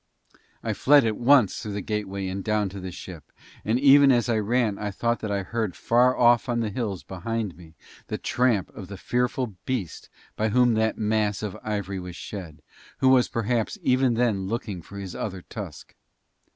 I fled at once through the gateway and down to the ship, and even as I ran I thought that I heard far off on the hills behind me the tramp of the fearful beast by whom that mass of ivory was shed, who was perhaps even then looking for his other tusk.